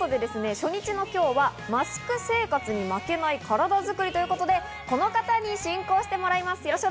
初日の今日は「マスク生活に負けない、カラダ作り」ということで、この方に進行してもらいます。